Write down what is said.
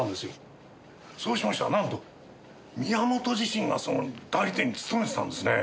そうしましたらなんと宮本自身がその代理店に勤めてたんですね。